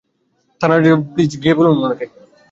Thanraj, please গিয়ে ওকে বুঝা।